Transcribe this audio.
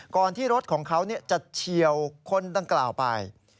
ที่รถของเขาจะเฉียวคนดังกล่าวไป